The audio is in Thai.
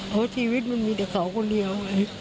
เพราะชีวิตมันมีแต่เขาคนเดียวไง